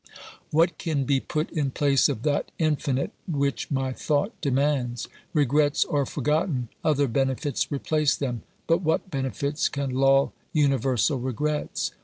What can be put in place of that infinite which my thought demands ? Regrets are forgotten, other benefits replace them, but what benefits can lull universal regrets?